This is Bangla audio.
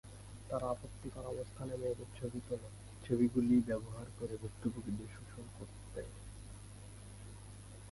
তারা আপত্তিকর অবস্থানে মেয়েদের ছবি তোলে, ছবিগুলি ব্যবহার করে ভুক্তভোগীদের শোষণ করতে।